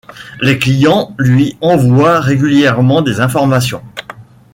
Les clients lui envoient régulièrement des informations.